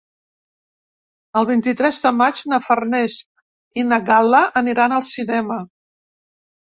El vint-i-tres de maig na Farners i na Gal·la aniran al cinema.